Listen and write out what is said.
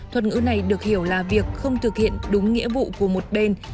thuật ngữ này được hiểu là việc không thực hiện đúng nghĩa vụ của một bên